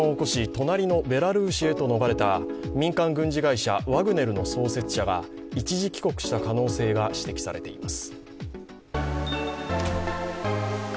隣のベラルーシへ逃れた民間軍事会社ワグネルの創設者が一時帰国した可能性が指摘されています。